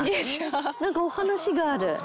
なんかお話がある？